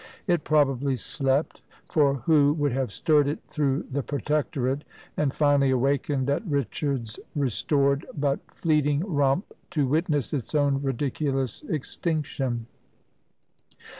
It probably slept; for who would have stirred it through the Protectorate? and finally awakened at Richard's restored, but fleeting "Rump," to witness its own ridiculous extinction.